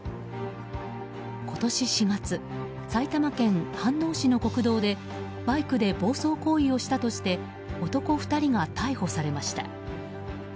今年４月、埼玉県飯能市の国道でバイクで暴走行為をしたとして男２人が逮捕されました。